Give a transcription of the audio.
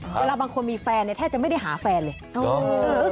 เวลาบางคนมีแฟนเนี่ยแทบจะไม่ได้หาแฟนเลย